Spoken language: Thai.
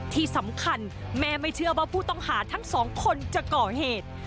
ที่สำคัญแม่ไม่เชื่อว่าผู้ต้องหาทั้งสองคนจะก่อเหตุ